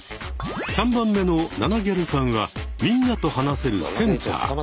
３番目のナナぎゃるさんはみんなと話せるセンター。